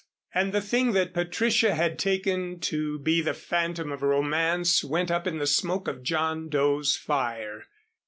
And the thing that Patricia had taken to be the phantom of romance went up in the smoke of John Doe's fire.